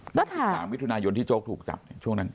ก็ถามถามวิทยุนายนที่โจ๊กถูกจับช่วงนั้น